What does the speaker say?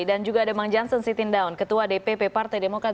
dan juga ada bang jansen siti ndaun ketua dpp partai demokrat